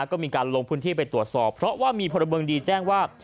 ก็มีการลงพื้นที่ไปตรวจสอบเพราะว่ามีพลเมืองดีแจ้งว่า